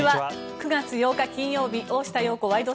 ９月８日、金曜日「大下容子ワイド！